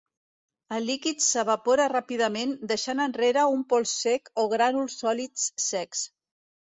El líquid s"evapora ràpidament deixant enrere un pols sec o grànuls sòlids secs.